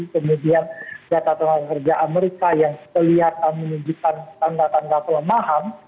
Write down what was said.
kemudian data tenaga kerja amerika yang kelihatan menunjukkan tanda tanda pelemahan